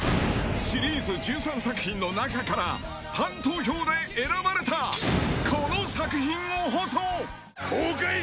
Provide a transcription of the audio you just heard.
シリーズ１３作品の中からファン投票で選ばれたこの作品を放送！